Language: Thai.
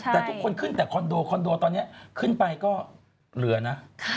แต่ทุกคนขึ้นแต่คอนโดคอนโดตอนนี้ขึ้นไปก็เหลือนะ